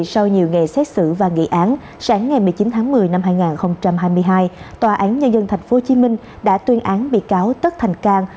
sau nhiều ngày xét xử và nghị án sáng ngày một mươi chín tháng một mươi năm hai nghìn hai mươi hai tòa án nhân dân tp hcm đã tuyên án bị cáo tất thành cang